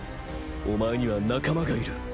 お前には仲間がいる。